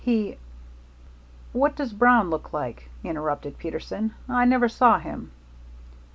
He " "What does Brown look like?" interrupted Peterson. "I never saw him."